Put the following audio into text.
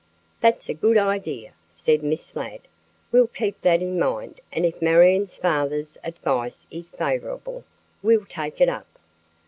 "That's a good idea," said Miss Ladd. "We'll keep that in mind and if Marion's father's advice is favorable, we'll take it up."